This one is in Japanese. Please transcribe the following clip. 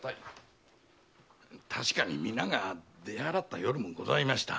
確かに皆が出払った夜もございました。